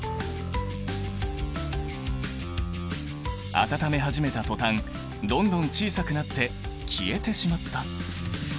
温め始めた途端どんどん小さくなって消えてしまった！